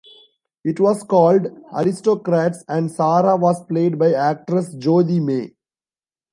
It was called "Aristocrats", and Sarah was played by actress Jodhi May.